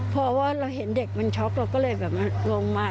เพราะว่าเราเห็นเด็กมันช็อกเราก็เลยแบบลงมา